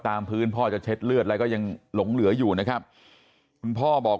ตามพื้นพ่อจะเช็ดเลือดอะไรก็ยังหลงเหลืออยู่นะครับคุณพ่อบอก